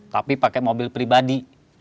tapi pakai mobil pribadi